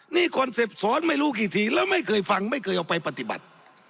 นี่คอนเซ็ปสอนไม่รู้กี่ทีแล้วไม่เคยฟังไม่เคยออกไปปฏิบัติ